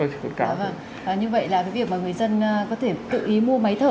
với việc người dân có thể tự ý mua máy thở